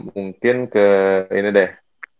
mungkin ke ini deh